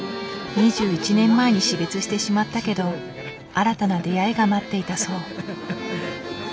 ２１年前に死別してしまったけど新たな出会いが待っていたそう。